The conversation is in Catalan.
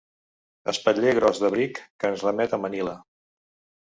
Espatller gros d'abric que ens remet a Manila.